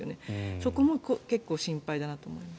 そこも結構心配だなと思います。